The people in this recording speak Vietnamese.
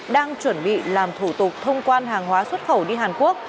đang chuẩn bị làm thủ tục thông quan hàng hóa xuất khẩu đi hàn quốc